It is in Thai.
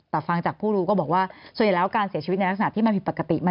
แต่ฟังจากผู้รู้ก็บอกว่าส่วนใหญ่แล้วการเสียชีวิตในลักษณะที่มันผิดปกติ